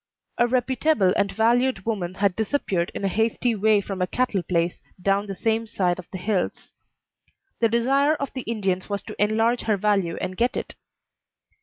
A reputable and valued woman had disappeared in a hasty way from a cattle place down the same side of the hills. The desire of the Indians was to enlarge her value and get it.